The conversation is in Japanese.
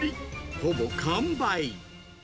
ほぼ完売。